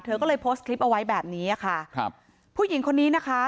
เธอก็เลยโพสต์คลิปเอาไว้แบบนี้ค่ะครับผู้หญิงคนนี้นะคะ